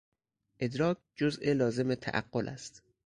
ادراک جز لازم تعقل است.